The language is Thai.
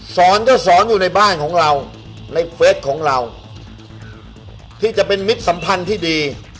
สอนก็สอนอยู่ในบ้านของเราในเฟสของเราที่จะเป็นมิตรสัมพันธ์ที่ดี